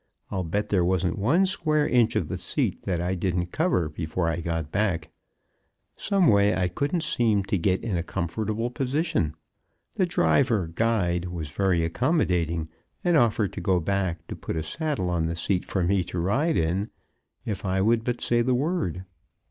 I'll bet there wasn't one square inch of the seat that I didn't cover before I got back. Some way I couldn't seem to get in a comfortable position. The driver guide was very accommodating and offered to go back to put a saddle on the seat for me to ride in, if I would but say the word.